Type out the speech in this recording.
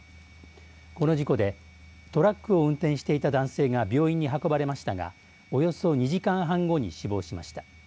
この事故でトラックを運転していた男性が病院に運ばれましたがおよそ２時間半後に死亡しました。